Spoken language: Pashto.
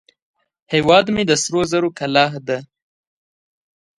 هیواد مې د سرو زرو کلاه ده